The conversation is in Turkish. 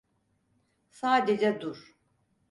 Sadece dur.